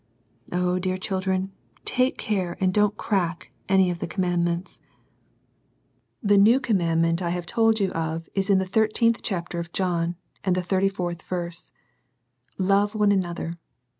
Oh, dear children, take care and don't crcuk any of the commandments ! The new commandment I have told you of is in the 13th chap, of John, and the 34th verse :" Love one another."